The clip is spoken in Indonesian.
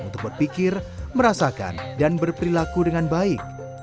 untuk berpikir merasakan dan berperilaku dengan baik